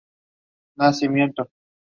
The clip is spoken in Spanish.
Fue pintor e ilustrador de libros.